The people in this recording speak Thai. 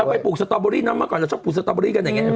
เราไปปลูกสตรอเบอร์รี่เนอะมาก่อนเราชอบปลูกสตรอเบอร์รี่กันอย่างนี้